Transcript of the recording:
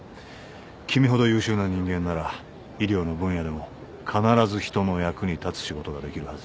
君ほど優秀な人間なら医療の分野でも必ず人の役に立つ仕事ができるはずだ。